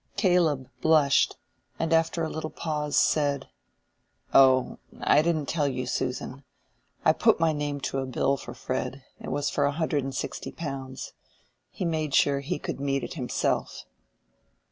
Caleb blushed, and after a little pause said— "Oh, I didn't tell you, Susan: I put my name to a bill for Fred; it was for a hundred and sixty pounds. He made sure he could meet it himself."